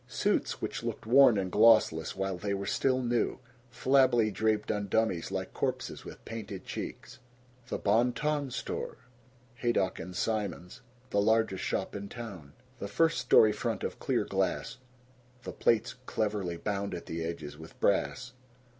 Suits which looked worn and glossless while they were still new, flabbily draped on dummies like corpses with painted cheeks. The Bon Ton Store Haydock & Simons' the largest shop in town. The first story front of clear glass, the plates cleverly bound at the edges with brass.